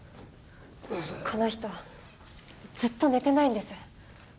この人ずっと寝てないんです。